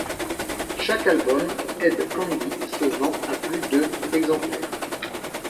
Chaque album Hed Kandi se vend à plus de exemplaires.